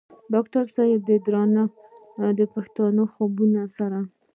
ډاکټر صېب د درنو پښتنو خويونو سره